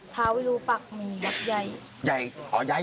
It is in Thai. ภาวิรุปักมียักษ์ใหญ่